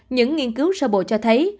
những nghiên cứu sơ bộ cho thấy